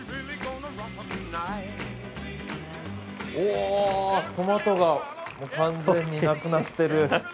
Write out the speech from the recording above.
おぉトマトが完全になくなってる。